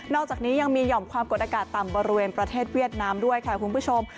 อกจากนี้ยังมีหย่อมความกดอากาศต่ำบริเวณประเทศเวียดนามด้วยค่ะคุณผู้ชม